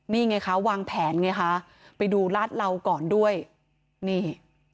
นี่ไงคะวางแผนไงคะไปดูลาดเหลาก่อนด้วยนี่